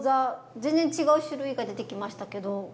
全然違う種類が出てきましたけど。